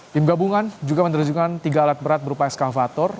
tim gabungan juga menerjungkan tiga alat berat berupa eskavator